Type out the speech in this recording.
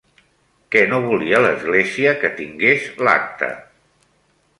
Què no volia l'Església que tingues l'acte?